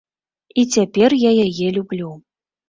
І цяпер я яе люблю.